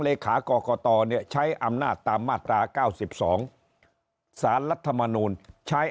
เลขากรกตเนี่ยใช้อำนาจตามมาตรา๙๒สารรัฐมนูลใช้